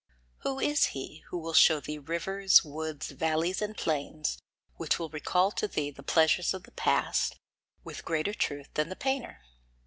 Who is he who will show thee rivers, woods, valleys and plains, which will recall to thee the pleasures of the past, with greater truth than the painter?